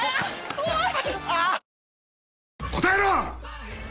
怖い！